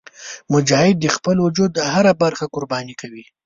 مجاهد د خپل وجود هره برخه قرباني کوي.